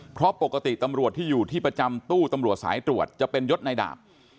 เพราะปกติตำรวจที่อยู่ที่ประจำตู้ตำรวจสายตรวจจะเป็นยศในดาบ